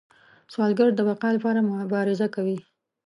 سوالګر د بقا لپاره مبارزه کوي